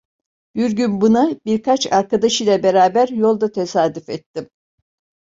Bir gün buna birkaç arkadaşıyla beraber yolda tesadüf ettim.